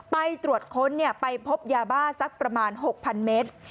ไปตรวจค้นไปพบยาบ้าสักประมาณ๖๐๐เมตร